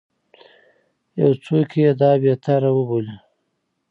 یو څوک یې دا بهتر وبولي.